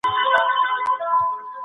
د زوال نښې نښانې کومې دي؟